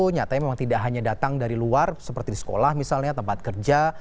nyatanya memang tidak hanya datang dari luar seperti di sekolah misalnya tempat kerja